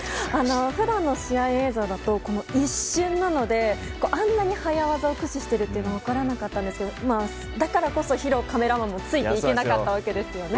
普段の試合映像だと一瞬なのであんなに早技を駆使してるっていうのは分からなかったんですけどだからこそ、弘カメラマンもついていけなかったんですね。